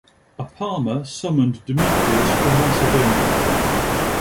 Apama summoned Demetrius from Macedonia.